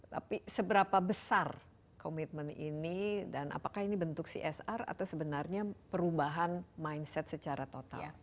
tapi seberapa besar komitmen ini dan apakah ini bentuk csr atau sebenarnya perubahan mindset secara total